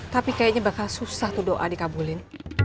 tapi kayaknya bakal susah tuh doa dikabulin